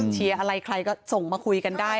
เชียร์อะไรใครก็ส่งมาคุยกันได้